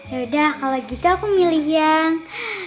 yaudah kalau gitu aku milih yang